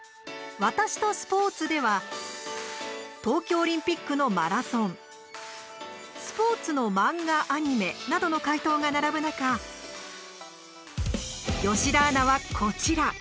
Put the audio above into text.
「私とスポーツ」では東京オリンピックのマラソンスポーツの漫画、アニメなどの回答が並ぶ中吉田アナは、こちら。